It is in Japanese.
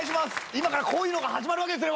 今からこういうのが始まるわけですね